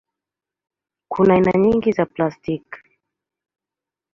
Kuna aina nyingi za plastiki.